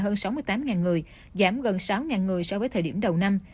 hơn sáu mươi tám người giảm gần sáu người so với thời điểm đầu năm